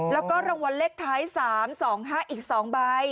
แล้วก็รางวัลเลขท้าย๓๒๕อีก๒ใบ